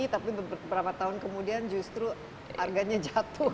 tapi beberapa tahun kemudian justru harganya jatuh